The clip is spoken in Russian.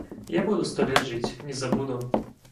Я буду сто лет жить, не забуду.